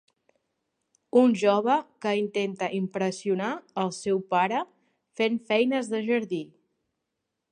Un jove que intenta impressionar al seu pare fent feines de jardí.